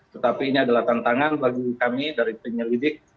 tetapi ini adalah tantangan bagi kami dari penyelidik